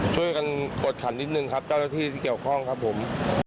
ช่วยกันกดขันนิดนึงครับเจ้าหน้าที่ที่เกี่ยวข้องครับผม